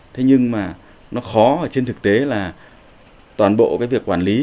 thế nhưng mà nó khó ở trên thực tế là toàn bộ cái việc quản lý